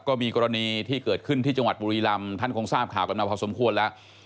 ก็มีกรณีที่เกิดขึ้นที่จังหวัดบุรีรำท่านคงทราบข่าวกันมาพอสมควรแล้ว